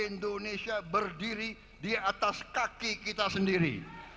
indonesia berdiri di atas kaki kita sendiri